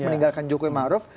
meninggalkan jokowi maruf